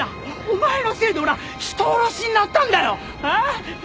お前のせいで俺は人殺しになったんだよ！